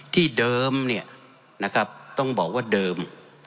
ที่เดิมต้องบอกว่าเดิม